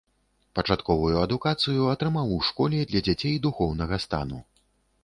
Пачатковую адукацыю атрымаў у школе для дзяцей духоўнага стану.